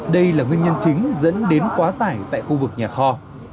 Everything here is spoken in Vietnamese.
đây là nguyên nhân chính dẫn đến quá tải tại khu vực nhà kho